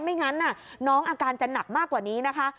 ไม่งั้นน้องอาการจะหนักมากกว่านี้นะคะ